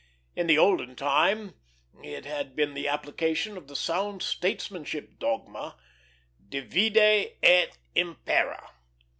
In the olden time it had been the application of the sound statesmanship dogma, "Divide et impera."